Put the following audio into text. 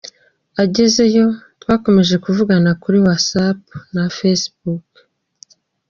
Agezeyo twakomeje kuvugana kuri WhatsApp na facebook.